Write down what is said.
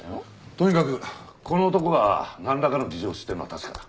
とにかくこの男がなんらかの事情を知ってるのは確かだ。